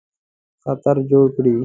خطر جوړ کړي.